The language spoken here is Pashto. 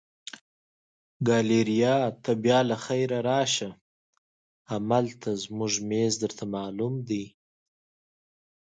ګالیریا ته بیا له خیره راشه، همالته زموږ مېز درته معلوم دی.